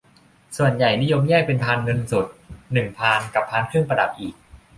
ส่วนใหญ่นิยมแยกเป็นพานเงินสด หนึ่ง พาน กับพานเครื่องประดับอีก